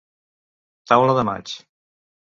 Taula de maig.